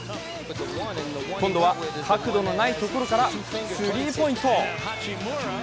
今度は角度のないところからスリーポイント。